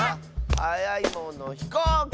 はやいものひこうき！